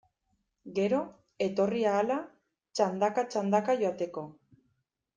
Gero, etorri ahala, txandaka-txandaka jateko.